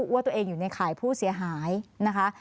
ว่าตัวเองอยู่ในข่ายผู้เสียหายนะคะ